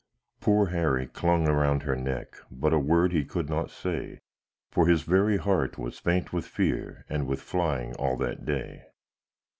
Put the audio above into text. Poor Harry clung around her neck, But a word he could not say, For his very heart was faint with fear, And with flying all that day.